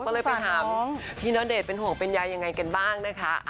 ก็เลยไปถามพี่ณเดชน์เป็นห่วงเป็นยายยังไงกันบ้างนะคะ